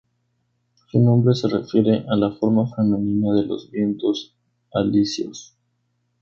Su nombre se refiere a la forma femenina de los vientos alisios.